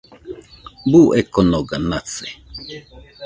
Buu ekonoga nase